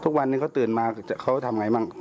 ทุกวันนี้เขาตื่นมาเขาทำไงบ้าง